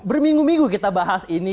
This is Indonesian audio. berminggu minggu kita bahas ini